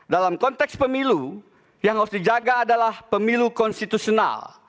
dalam konteks pemilu yang harus dijaga adalah pemilu konstitusional